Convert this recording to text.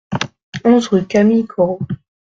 onze rue Camille Corot